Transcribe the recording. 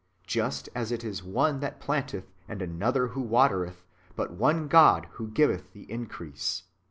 Just as it is one that planteth, and another who watereth, but one God who giveth the increase.